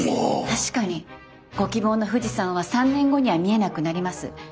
確かにご希望の富士山は３年後には見えなくなります。